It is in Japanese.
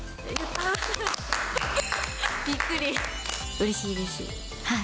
うれしいです。